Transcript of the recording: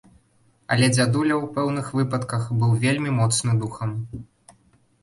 Але дзядуля, у пэўных выпадках, быў вельмі моцны духам.